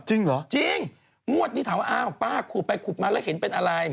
จริงเหรอจริงงวดนี้ถามว่าอ้าวป้าขูดไปขูดมาแล้วเห็นเป็นอะไร